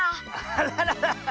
あららら！